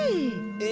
え！